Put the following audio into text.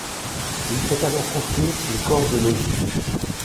Il fait alors construire le corps de logis.